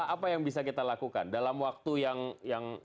apa yang bisa kita lakukan dalam waktu yang